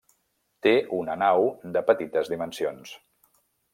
Té una nau, de petites dimensions.